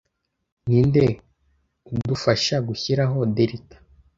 Ninde udafasha gushiraho delta